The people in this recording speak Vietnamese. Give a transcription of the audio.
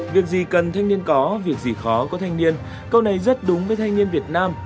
việc gì cần thanh niên có việc gì khó có thanh niên câu này rất đúng với thanh niên việt nam